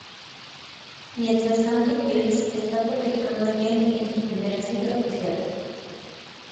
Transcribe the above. Mientras tanto Giles está cortejando a Jenny en su primera cita oficial.